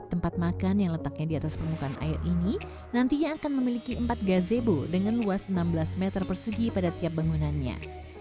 tempat makan yang letaknya di atas permukaan air ini nantinya akan memiliki empat gazebo dengan luas enam belas meter persegi pada tiap bangunannya